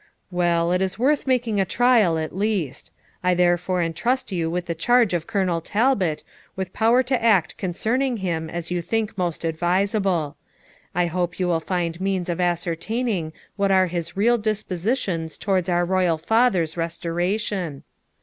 'Well, it is worth making a trial at least. I therefore entrust you with the charge of Colonel Talbot, with power to act concerning him as you think most advisable; and I hope you will find means of ascertaining what are his real dispositions towards our Royal Father's restoration.'